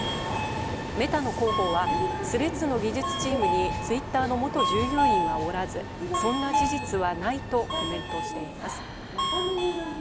メタの広報はスレッズの技術チームにツイッターの元従業員はおらず、そんな事実はないとコメントしています。